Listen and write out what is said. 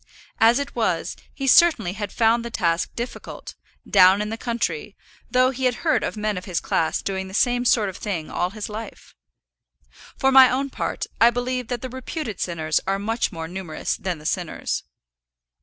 As it was, he certainly had found the task difficult, down in the country, though he had heard of men of his class doing the same sort of thing all his life. For my own part, I believe that the reputed sinners are much more numerous than the sinners.